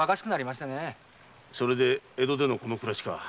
それで江戸でのこの暮らしか。